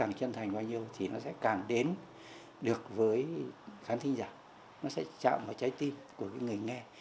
nó càng chân thành bao nhiêu thì nó sẽ càng đến được với khán giả nó sẽ chạm vào trái tim của người nghe